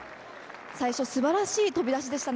最初素晴らしい飛び出しでしたね。